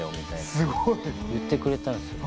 すごい。言ってくれたんですよ